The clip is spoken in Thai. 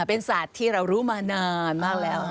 เป็นสัตว์ที่เรารู้มานานมากแล้ว